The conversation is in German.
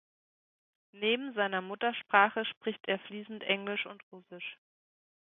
Neben seiner Muttersprache spricht er fließend Englisch und Russisch.